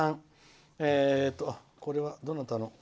これはどなたの？